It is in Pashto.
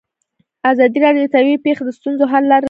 ازادي راډیو د طبیعي پېښې د ستونزو حل لارې سپارښتنې کړي.